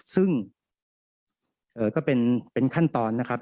ซึ่งก็เป็นขั้นตอนนะครับ